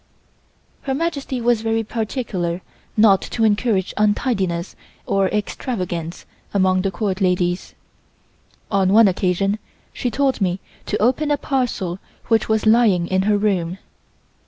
Her Majesty was very particular not to encourage untidyness or extravagance among the Court ladies. On one occasion she told me to open a parcel which was lying in her room.